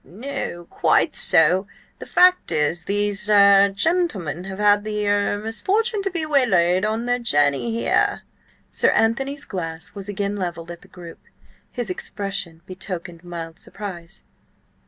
"No–quite so— The fact is, these–er–gentlemen have had the–er–misfortune to be waylaid on their journey here." Sir Anthony's glass was again levelled at the group. His expression betokened mild surprise.